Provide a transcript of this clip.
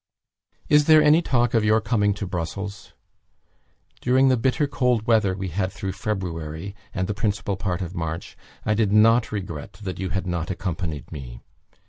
"Is there any talk of your coming to Brussels? During the bitter cold weather we had through February, and the principal part of March, I did not regret that you had not accompanied me.